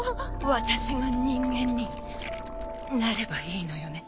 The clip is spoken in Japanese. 私が人間になればいいのよね。